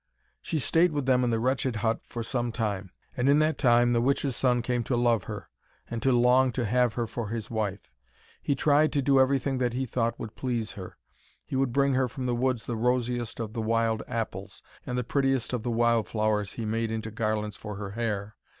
She stayed with them in the wretched little hut for some time. And in that time the witch's son came to love her, and to long to have her for his wife. He tried to do everything that he thought would please her. He would bring her from the woods the rosiest of the wild apples, and the prettiest of the wildflowers he made into garlands for her hair.